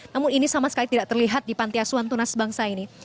namun ini sama sekali tidak terlihat di panti asuhan tunas bangsa ini